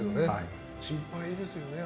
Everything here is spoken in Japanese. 心配ですよね。